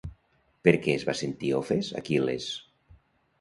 Per què es va sentir ofès Aquil·les?